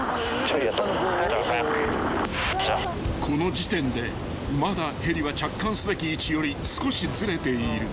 ［この時点でまだヘリは着艦すべき位置より少しずれている］